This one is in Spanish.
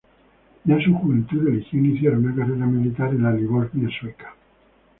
Ya en su juventud eligió iniciar una carrera militar en la Livonia Sueca.